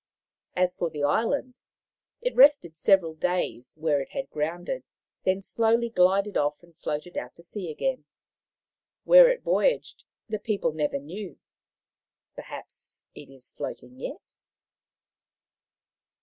As for the island, it rested several days where it had grounded, then slowly glided off and floated out to sea again. Where it voyaged the people never knew. Perhaps it is floating yet.